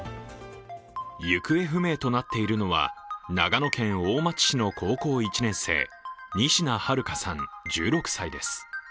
行方不明となっているのは、長野県大町市の高校１年生、仁科日花さん１６歳です。